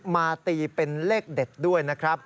มาตีเป็นเลขเด็ดด้วยนะครับ